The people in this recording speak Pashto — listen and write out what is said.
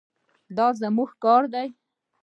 دا زموږ کار دی.